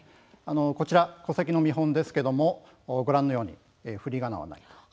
こちら戸籍の見本ですけれどもご覧のようにふりがながないんです。